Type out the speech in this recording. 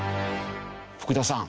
福田さん